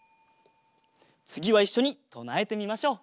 つぎはいっしょにとなえてみましょう。